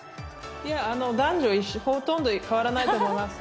男女ほとんど変わらないと思います。